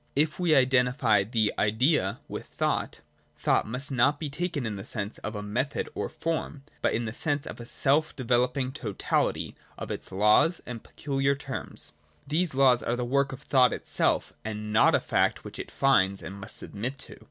If we identify the Idea with thought, thought must not be taken in the sense of a method or form, but in the sense of the self developing totality of its laws and peculiar terms. These laws are the work of thought itself, and not a fact which it finds and must submit to.